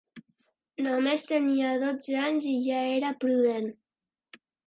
No més tenia dotze anys, i ja era prudent